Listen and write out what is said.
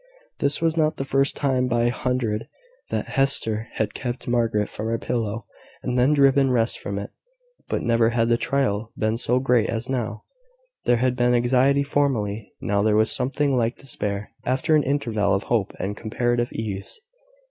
This was not the first time by a hundred that Hester had kept Margaret from her pillow, and then driven rest from it; but never had the trial been so great as now. There had been anxiety formerly; now there was something like despair, after an interval of hope and comparative ease.